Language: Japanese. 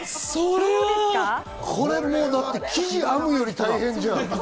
これもうだって生地を編むより大変じゃん！